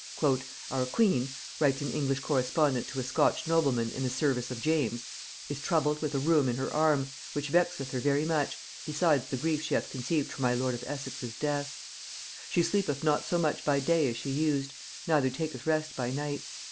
"Our queen," writes an English correspondent to a Scotch nobleman in the service of James, "is troubled with a rheum in her arm, which vexeth her very much, besides the grief she hath conceived for my lord of Essex's death. She sleepeth not so much by day as she used, neither taketh rest by night.